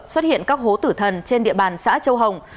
xuất hiện các hố tử thần trên địa bàn xã châu hồng